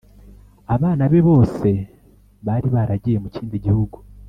Abana be bose bari baragiye mukindi gihugu.